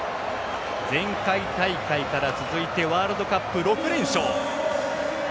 前回大会から続いてワールドカップ６連勝。